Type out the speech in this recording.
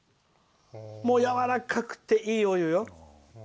やわらかくて、いいお湯よ。